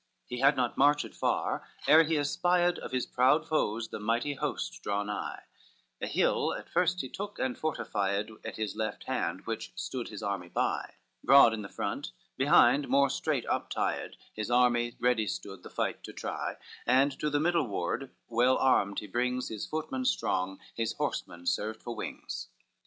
VIII He had not marched far ere he espied Of his proud foes the mighty host draw nigh; A hill at first he took and fortified At his left hand which stood his army by, Broad in the front behind more strait uptied His army ready stood the fight to try, And to the middle ward well armed he brings His footmen strong, his horsemen served for wings.